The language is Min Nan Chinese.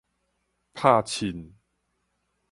拍凊